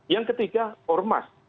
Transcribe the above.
yang ketiga ormas